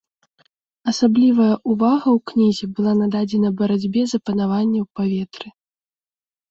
Асаблівая ўвага ў кнізе была нададзена барацьбе за панаванне ў паветры.